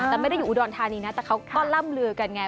แต่ไม่ได้อยู่อุดรธานีนะแต่เขาก็ล่ำลือกันไง